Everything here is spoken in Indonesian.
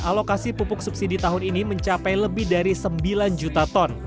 alokasi pupuk subsidi tahun ini mencapai lebih dari sembilan juta ton